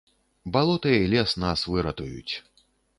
Балота і лес нас выратуюць.